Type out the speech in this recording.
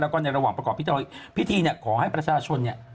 แล้วก็ในระหว่างประกอบพิธีเนี่ยขอให้ประชาชนเนี่ย